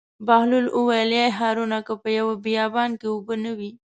بهلول وویل: ای هارونه که په یوه بیابان کې اوبه نه وي.